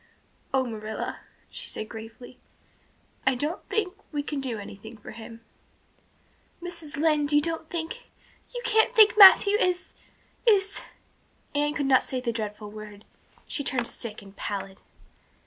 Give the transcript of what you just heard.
"Oh, Marilla," she said gravely. "I don't think we can do anything for him." "Mrs. Lynde, you don't think you can't think Matthew is is " Anne could not say the dreadful word; she turned sick and pallid.